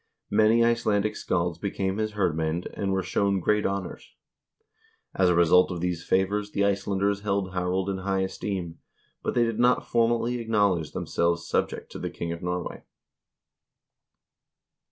Many Icelandic scalds became his hirdmwnd and were shown great honors. As a result of these favors the Icelanders held Harald in high esteem, but they did not formally acknowledge themselves subject to the king of Norway.